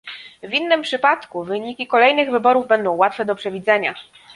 W innym przypadku wyniki kolejnych wyborów będą łatwe do przewidzenia